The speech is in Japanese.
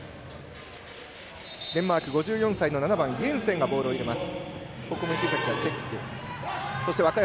デンマーク、５４歳のイエンセンがボールを入れます。